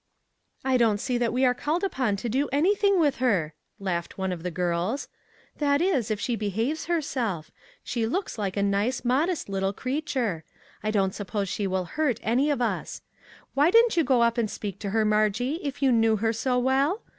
" I don't see that we are called upon to do anything with her," laughed one of the girls; " that is, if she behaves herself ; she looks like a nice, modest little creature. I don't suppose she will hurt any of us. Why didn't you go up and speak to her, Margie, if you knew her so well?